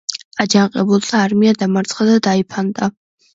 აჯანყებულთა არმია დამარცხდა და დაიფანტა.